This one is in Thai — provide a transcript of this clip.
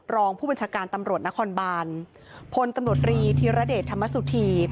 รองผู้บัญชาการตำรวจนครบานพลตำรวจรีธีรเดชธรรมสุธี